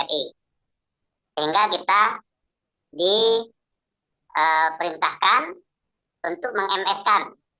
sehingga kita diperintahkan untuk meng ms kan